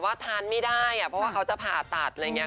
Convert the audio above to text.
วันวาเลนไทยดีกว่าพี่แจ๊ค